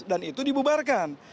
dan itu dibubarkan